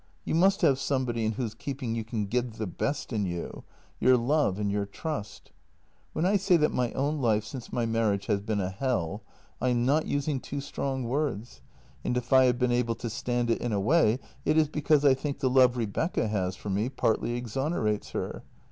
You must have somebody in whose keeping you can give the best in you — your love and your trust. " When I say that my own life since my marriage has been a hell, I am not using too strong words, and if I have been able to stand it in a way it is because I think the love Rebecca has for me partly exonerates her.